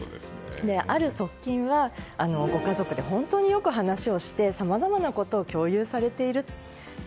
ある側近はご家族で本当によく話をしてさまざまなことを共有されている。